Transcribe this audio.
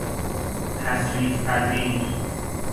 تصریف پذیر